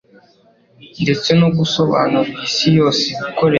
ndetse no gusobanurira Isi yose ibikorerwa